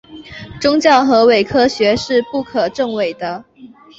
宗教和伪科学是不可证伪的。